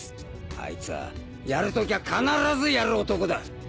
あいつはやるときは必ずやる男だ。